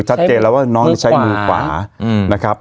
ชัดเจนแล้วว่าน้องจะใช้มือขวานะครับ